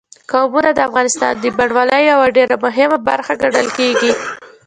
قومونه د افغانستان د بڼوالۍ یوه ډېره مهمه برخه ګڼل کېږي.